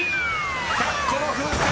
［１００個の風船